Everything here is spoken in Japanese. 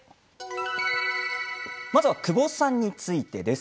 久保さんについてです。